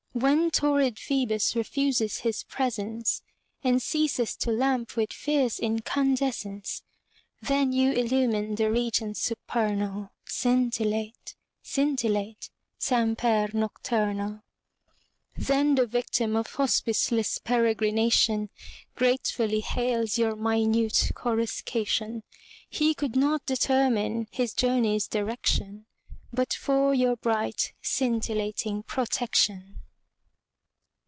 When torrid Ph[oe]bus refuses his presence And ceases to lamp with fierce incandescence, Then you illumine the regions supernal, Scintillate, scintillate, semper nocturnal. Then the victim of hospiceless peregrination Gratefully hails your minute coruscation. He could not determine his journey's direction But for your bright scintillating protection.